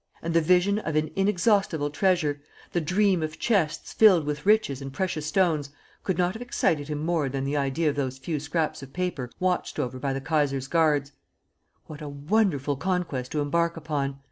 And the vision of an inexhaustible treasure, the dream of chests filled with riches and precious stones could not have excited him more than the idea of those few scraps of paper watched over by the Kaiser's guards. What a wonderful conquest to embark upon!